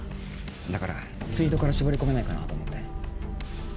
だからツイートから絞り込めないかなと思って。